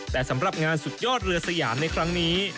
แต่สำหรับงานสุดยอดเรือสยามในครั้งนี้